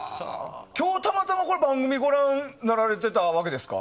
たまたま番組ご覧になられてたわけですか？